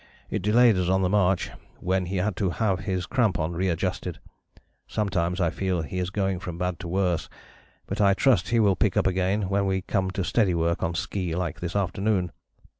It delayed us on the march, when he had to have his crampon readjusted. Sometimes I feel he is going from bad to worse, but I trust he will pick up again when we come to steady work on ski like this afternoon.